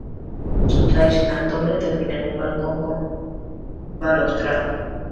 Su tradicional torre termina en un balcón con balaustrada.